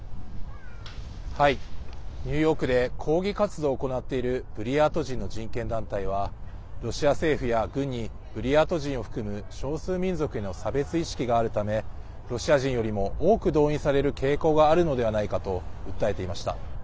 ニューヨークで抗議活動を行っているブリヤート人の人権団体はロシア政府や軍にブリヤート人を含む少数民族への差別意識があるためロシア人よりも多く動員される傾向があるのではないかと訴えていました。